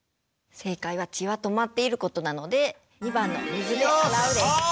正解は血は止まっていることなので２番の水で洗うです。